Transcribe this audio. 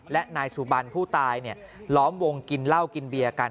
และนายสุบันผู้ตายล้อมวงกินเหล้ากินเบียร์กัน